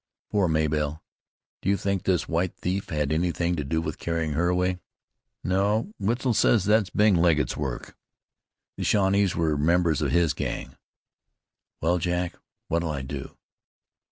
"Poor Mabel! Do you think this white thief had anything to do with carrying her away?" "No. Wetzel says that's Bing Legget's work. The Shawnees were members of his gang." "Well, Jack, what'll I do?"